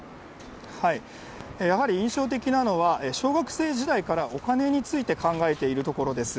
やはり印象的なのは小学生時代からお金について考えているところです。